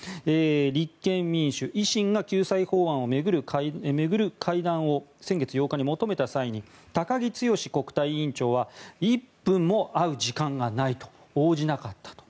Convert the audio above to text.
立憲、民主、維新が救済法案を巡る会談を先月８日に求めた際高木毅国対委員長は１分も会う時間がないと応じなかったと。